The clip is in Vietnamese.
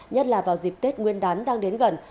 nhất là vào dịp tết nguyên đán đang đến gần